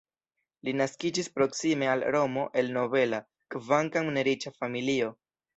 Li naskiĝis proksime al Romo el nobela, kvankam ne riĉa familio.